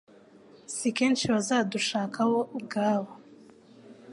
Si kenshi bazadushaka bo ubwabo.